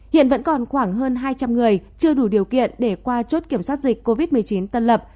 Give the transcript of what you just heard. hiện vẫn còn khoảng hơn hai trăm linh người chưa đủ điều kiện để qua chốt kiểm soát dịch covid một mươi chín tân lập